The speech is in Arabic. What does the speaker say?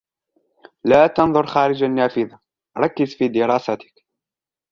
لا تنظر خارج النافذة، ركز في دراستك.